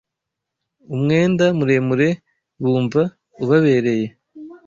Umwenda muremure bumva ubabereye